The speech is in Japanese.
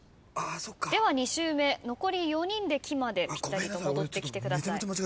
では２周目残り４人で「き」までぴったりと戻ってきてください。